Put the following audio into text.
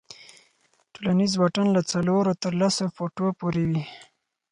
ټولنیز واټن له څلورو تر لسو فوټو پورې وي.